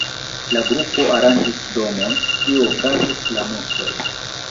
La grupo aranĝis domon, kie okazis la mesoj.